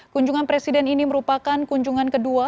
kunjungan presiden ini merupakan kunjungan kedua